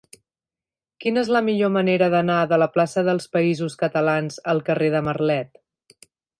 Quina és la millor manera d'anar de la plaça dels Països Catalans al carrer de Marlet?